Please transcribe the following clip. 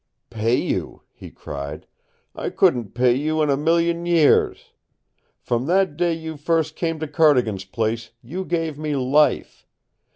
"Pay you?" he cried. "I couldn't pay you in a million years! From that day you first came to Cardigan's place you gave me life.